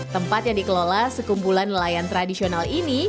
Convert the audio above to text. tempat yang dikelola sekumpulan nelayan tradisional ini